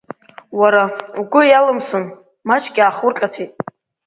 Уара, угәы иалымсын, маҷк иахурҟьацәоит.